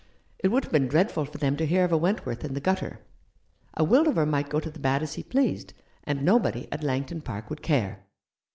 It would have been dreadful for them to hear of a Wentworth in the gutter. A Wildover might go to the bad as he pleased, and nobody at Langton Park would care.